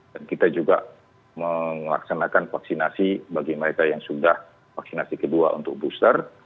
dan kita juga melaksanakan vaksinasi bagi mereka yang sudah vaksinasi kedua untuk booster